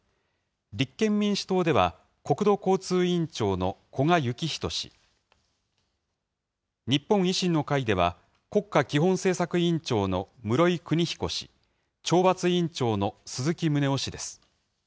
立憲民主党では、国土交通委員長の古賀之士氏、日本維新の会では、国家基本政策委員長の室井邦彦氏、懲罰委員長の鈴木宗男氏です。